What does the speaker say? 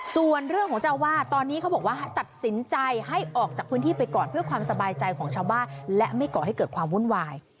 ส่วนเรื่องของเจ้าวาดตอนนี้เขาบอกว่าตัดสินใจให้ออกจากพื้นที่ไปก่อนเพื่อความสบายใจของชาวบ้านและไม่ก่อให้เกิดความวุ่นวาย